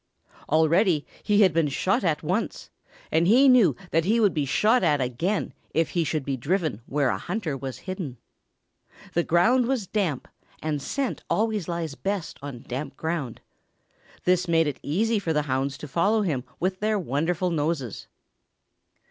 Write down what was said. Already he had been shot at once and he knew that he would be shot at again if he should be driven where a hunter was hidden. The ground was damp and scent always lies best on damp ground. This made it easy for the hounds to follow him with their wonderful noses.